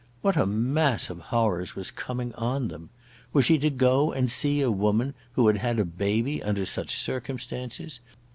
What a mass of horrors was coming on them! Was she to go and see a woman who had had a baby under such circumstances?